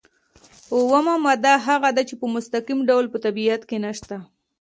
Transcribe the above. اومه ماده هغه ده چې په مستقیم ډول په طبیعت کې نشته.